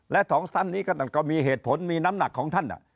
และถองท่านนี้ก็มีเหตุผลมีน้ำหนักของท่านน่ะ